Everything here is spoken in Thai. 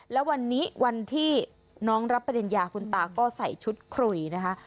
แล้ววันนี้วันที่น้องรับปริญญาคุณตาก็ใส่ชุดคุยนะคะ